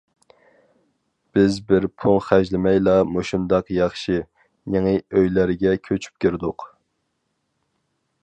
بىز بىر پۇڭ خەجلىمەيلا مۇشۇنداق ياخشى، يېڭى ئۆيلەرگە كۆچۈپ كىردۇق.